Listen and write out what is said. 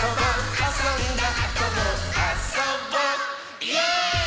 「あそんだあともあそぼいぇい！」